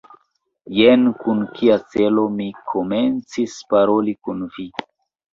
Jen kun kia celo mi komencis paroli kun vi!